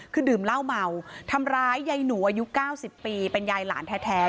คือดื่มเหล้าเมาทำร้ายยายหนูอายุ๙๐ปีเป็นยายหลานแท้